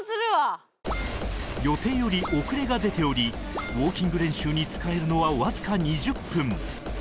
予定より遅れが出ておりウォーキング練習に使えるのはわずか２０分